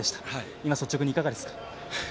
今、率直にいかがですか。